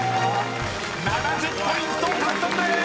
［７０ポイント獲得です］